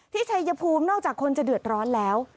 ชัยภูมินอกจากคนจะเดือดร้อนแล้ว